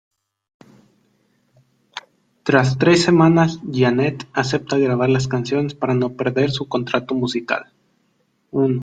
Tras tres semanas Jeanette acepta grabar las canciones para no perder su contrato musical.